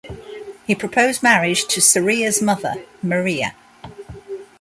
He proposed marriage to Sarria's mother Maria.